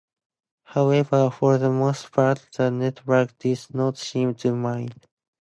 However, for the most part the networks did not seem to mind.